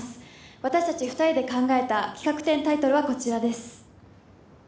私達２人で考えた企画展タイトルはこちらです